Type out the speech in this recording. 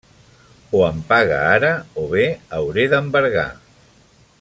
O em paga ara, o bé hauré d'embargar.